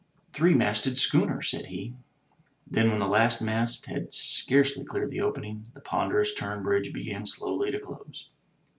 'Three masted schooner,'' said he. Then when the last mast had scarcely cleared the opening, the ponderous turn bridge began slowly to close.